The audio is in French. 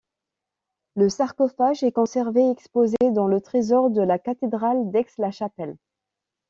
Le sarcophage est conservé et exposé dans le trésor de la cathédrale d'Aix-la Chapelle.